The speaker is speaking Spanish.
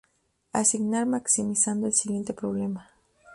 Asignar maximizando el siguiente Problema.